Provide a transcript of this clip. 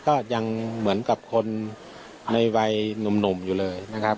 ก็ยังเหมือนกับคนในวัยหนุ่มอยู่เลยนะครับ